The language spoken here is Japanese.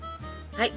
はい。